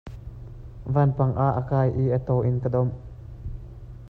Vanpang ah a kai i a taw in an domh.